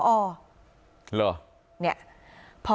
ด้านไข่ที่มันไม่ธรรมดา